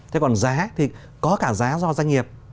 thế còn giá thì có cả giá do doanh nghiệp